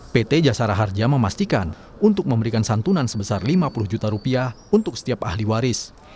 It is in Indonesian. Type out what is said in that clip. pt jasara harja memastikan untuk memberikan santunan sebesar lima puluh juta rupiah untuk setiap ahli waris